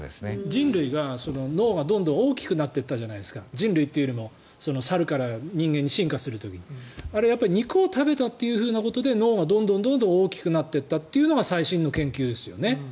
人類が脳がどんどん大きくなっていったじゃないですか人類というより猿から人間に進化する時にあれはやっぱり肉を食べたということで脳がどんどん大きくなっていったというのが最新の研究ですよね。